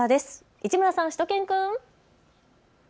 市村さん、しゅと犬くん。